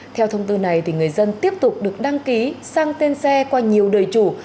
theo thông tư này người dân tiếp tục được đăng ký sang tên xe qua nhiều đời chủ